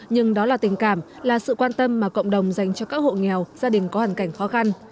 nhưng đó là tình cảm là sự quan tâm mà cộng đồng dành cho các hộ nghèo gia đình có hoàn cảnh khó khăn